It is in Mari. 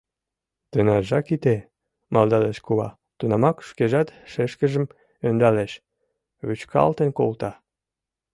— Тынаржак ите, — малдалеш кува, тунамак шкежат шешкыжым ӧндалеш, вӱчкалтен колта.